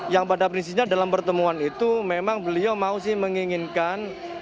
yang pada prinsipnya dalam pertemuan itu memang beliau mau sih menginginkan